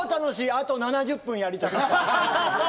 あと７０分やりたかったです。